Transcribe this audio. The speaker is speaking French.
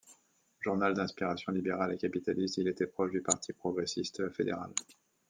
Journal d'inspiration libérale et capitaliste, il était proche du parti progressiste fédéral.